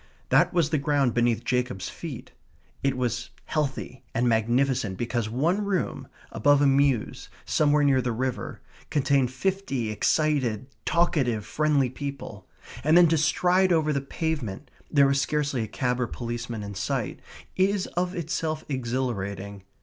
That was the ground beneath Jacob's feet. It was healthy and magnificent because one room, above a mews, somewhere near the river, contained fifty excited, talkative, friendly people. And then to stride over the pavement (there was scarcely a cab or policeman in sight) is of itself exhilarating.